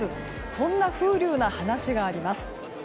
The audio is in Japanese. そんな風流な話があります。